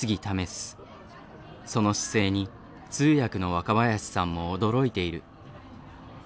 その姿勢に通訳の若林さんも驚いている。